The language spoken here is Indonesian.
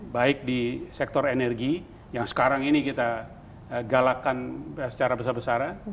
baik di sektor energi yang sekarang ini kita galakan secara besar besaran